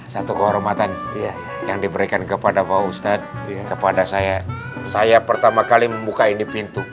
satu kehormatan yang diberikan kepada pak ustadz kepada saya saya pertama kali membuka ini pintu